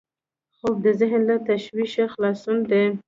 خوب د ذهن له تشویشه خلاصون دی